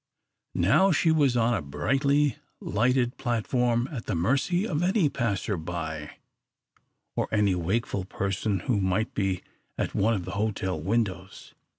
Now she was on the brightly lighted platform at the mercy of any passer by, or any wakeful person who might be at one of the hotel windows.